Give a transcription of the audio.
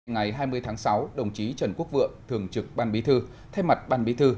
ngày hai mươi tháng sáu đồng chí trần quốc vượng thường trực ban bí thư thay mặt ban bí thư